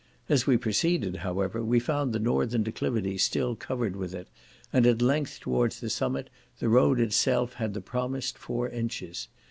As we proceeded, however, we found the northern declivities still covered with it, and at length, towards the summit, the road itself had the promised four inches.